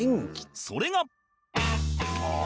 それが